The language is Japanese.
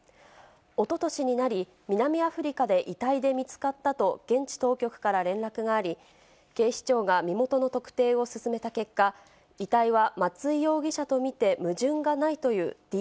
おととしになり、南アフリカで遺体で見つかったと、現地当局から連絡があり、警視庁が身元の特定を進めた結果、全国の皆さん、こんばんは。